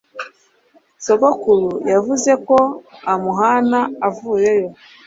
Sogokuru yavuze ko umuhana avayo